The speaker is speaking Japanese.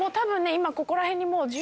今ここら辺に。